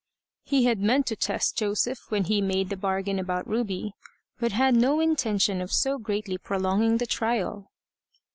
He had meant to test Joseph when he made the bargain about Ruby, but had no intention of so greatly prolonging the trial.